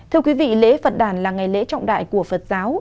thưa quý vị lễ phật đàn là ngày lễ trọng đại của phật giáo